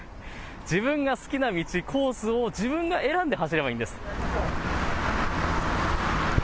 自分が好きな道、コースを自分が選んで走ればいいんです。